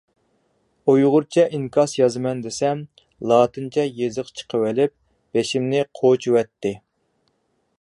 ئۇيغۇرچە ئىنكاس يازىمەن دېسەم، لاتىنچە يېزىق چىقىۋېلىپ بېشىمنى قوچۇۋەتتى.